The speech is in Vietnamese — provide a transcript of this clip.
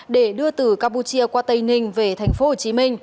để đưa từ campuchia qua tây ninh về tp hcm